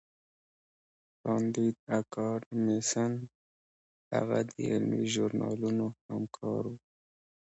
کانديد اکاډميسن هغه د علمي ژورنالونو همکار و.